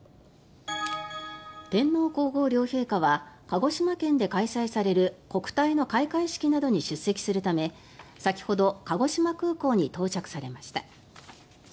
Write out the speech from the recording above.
天皇・皇后両陛下は鹿児島県で開催される国体の開会式などに出席するため先ほど鹿児島空港に到着されました。